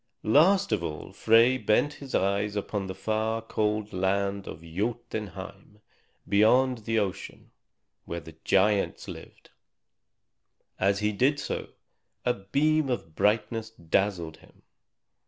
Last of all Frey bent his eyes upon the far, cold land of Jotunheim, beyond the ocean, where the giants lived; and as he did so, a beam of brightness dazzled him.